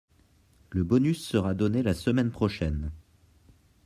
Le bonus sera donné la semaine prochaine.